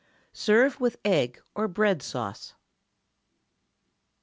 Serve with egg or bread sauce.